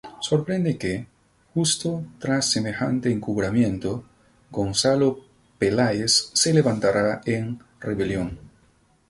Sorprende que, justo tras semejante encumbramiento, Gonzalo Peláez se levantara en rebelión.